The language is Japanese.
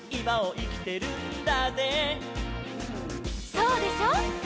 「そうでしょ？」